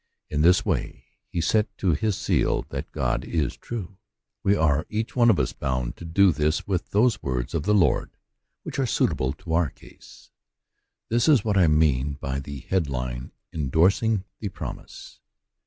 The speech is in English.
In this way he set to his seal that God is true. We are each one of us bound to do this with those words of the Lord which are suitable to our case. This is what I mean by the head line — endorsing the promise.